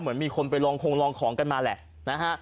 เหมือนมีคนไปลองคงลองของกันมาแหละนะฮะ